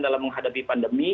dalam menghadapi pandemi